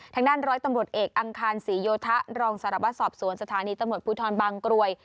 ทางด้านร้อยตำรวจเอกอังคารศรีโยธะรองสารวัตรสอบสวนสถานีตำรวจภูทรบางกรวย